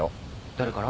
誰から？